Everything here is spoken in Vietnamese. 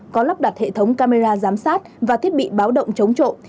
có lắp đặt hệ thống camera giám sát và thiết bị báo động chống trộm